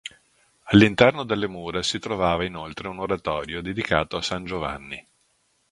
All'interno delle mura si trovava inoltre un oratorio dedicato a San Giovanni.